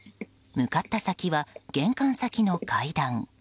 向かった先は玄関先の階段。